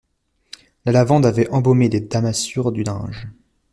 La lavande avait embaumé les damassures du linge.